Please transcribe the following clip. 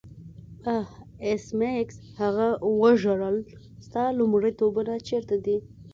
آه ایس میکس هغه وژړل ستا لومړیتوبونه چیرته دي